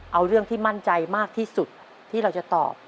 เอาเรื่องที่มั่นใจมากที่สุดที่เราจะตอบ